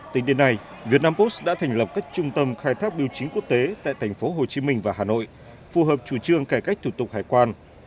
tính đến nay việt nam post đã thành lập các trung tâm khai thác biểu chính quốc tế tại tp hcm và hà nội phù hợp chủ trương cải cách thủ tục hải quan